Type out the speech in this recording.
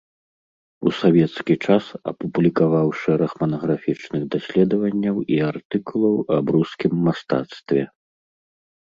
У савецкі час апублікаваў шэраг манаграфічных даследаванняў і артыкулаў аб рускім мастацтве.